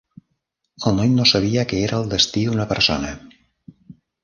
El noi no sabia què era el "destí" d'una persona.